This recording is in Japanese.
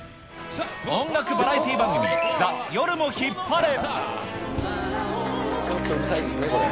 音楽バラエティー番組、ＴＨＥ夜もヒッパレ。